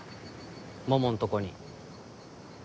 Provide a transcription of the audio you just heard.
ももんとこに。